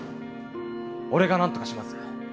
俺がなんとかします！